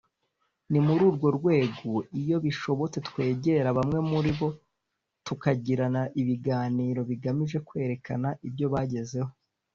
ni muri urwo rwego iyo bishobotse twegera bamwe muri bo tukagirana ibiganiro bigamije kwerekana ibyo bagezeho